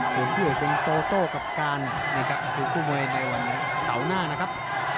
ส่วนผู้ใหญ่เป็นโตโตกับการคือคู่มวยในวันนี้เสาหน้านะครับ